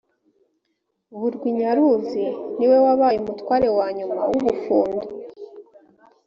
burwi nyaruzi ni we wabaye umutware wa nyuma w’ubufundu